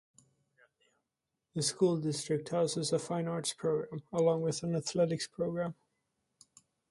This school district houses a fine arts program, along with an athletics program.